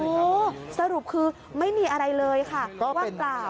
โอ้สรุปคือไม่มีอะไรเลยค่ะ